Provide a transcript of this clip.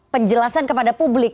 penjelasan kepada publik